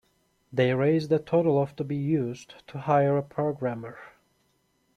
They raised a total of to be used to hire a programmer.